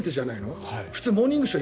普通「モーニングショー」